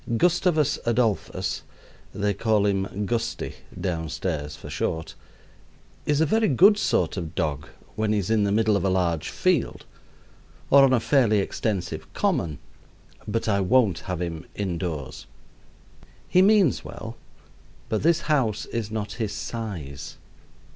Gustavus Adolphus (they call him "Gusty" down stairs for short) is a very good sort of dog when he is in the middle of a large field or on a fairly extensive common, but I won't have him indoors. He means well, but this house is not his size.